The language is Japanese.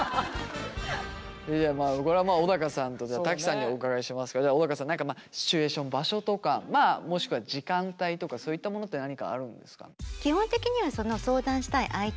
いやまあこれは小高さんと瀧さんにお伺いしますけど小高さんシチュエーション場所とかまあもしくは時間帯とかそういったものって何かあるんですか？